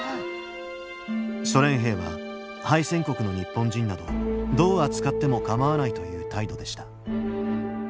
ソ連兵は敗戦国の日本人などどう扱っても構わないという態度でした。